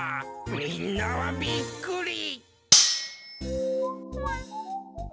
みんなはびっくり。